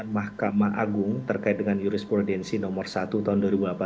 mahkamah agung terkait dengan jurisprudensi nomor satu tahun dua ribu delapan belas